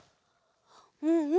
うんうん。